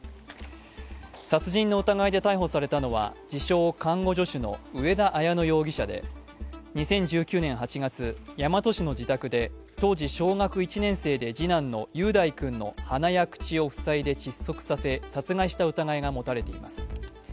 殺人の疑いで逮捕されたのは、自称・看護助手の上田綾乃容疑者で２０１９年８月、大和市の自宅で当時小学１年生で次男の雄大君の鼻や口をふせいで窒息させ殺害した疑いが持たれています。